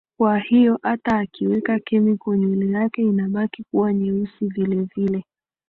kwa hiyo hata akiweka chemical nywele yake inabaki kuwa nyeusi vile vile